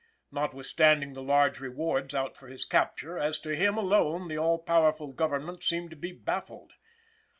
Notwithstanding the large rewards out for his capture, as to him alone the all powerful government seemed to be baffled.